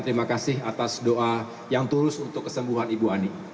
terima kasih atas doa yang tulus untuk kesembuhan ibu ani